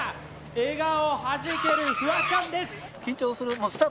笑顔はじけるフワちゃんですああ！